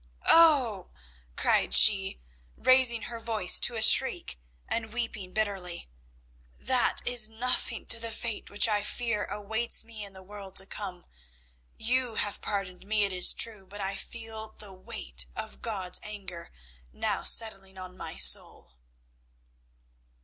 Oh," cried she, raising her voice to a shriek, and weeping bitterly, "that is nothing to the fate which I fear awaits me in the world to come. You have pardoned me, it is true, but I feel the weight of God's anger now settling on my soul."